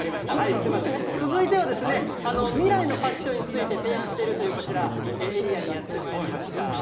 すみません、続いては、未来のファッションについて提案しているというこちら、エリアにやってまいりました。